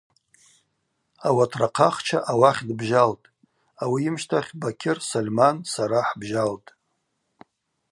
Ауатрахъахча ауахь дбжьалтӏ, ауи йымщтахь Бакьыр, Сольман, сара хӏбжьалтӏ.